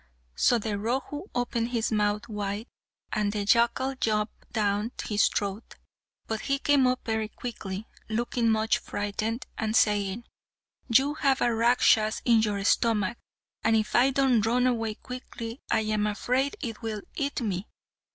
So the Rohu opened his mouth wide, and the jackal jumped down his throat; but he came up very quickly, looking much frightened and saying, "You have a Rakshas in your stomach, and if I don't run away quickly, I am afraid it will eat me."